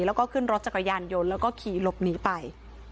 แล้วก็ขึ้นรถจักรยานยนต์แล้วก็ขี่หลบหนีไป